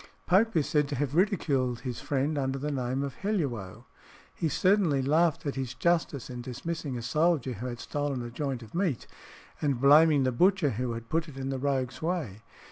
Pope is said to have ridiculed his friend under the name of Helluo. He certainly laughed at his justice in dismissing a soldier who had stolen a joint of meat, and blaming the butcher who had put it in the rogue's way.